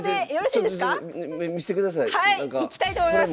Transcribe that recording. いきたいと思います。